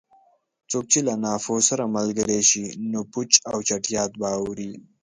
څوک چې له ناپوه سره ملګری شي؛ نو پوچ او چټیات به اوري.